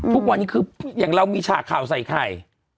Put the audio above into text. ทุกวันนี้คืออย่างเรามีฉากข่าวใส่ไข่